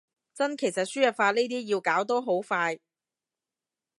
真，其實輸入法呢啲要搞都好快